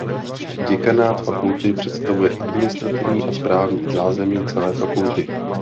Děkanát fakulty představuje administrativní a správní zázemí celé fakulty.